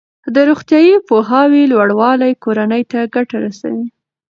د روغتیايي پوهاوي لوړوالی کورنۍ ته ګټه رسوي.